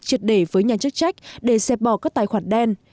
triệt để với nhà chức trách để xếp bỏ các tài khoản đen